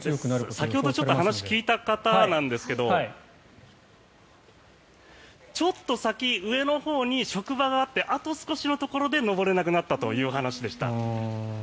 先ほど話を聞いた方なんですけどちょっと先、上のほうに職場があってあと少しのところで上れなくなってしまったということでした。